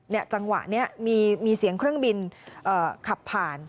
จังหวะนี้มีเสียงเครื่องบินขับผ่าน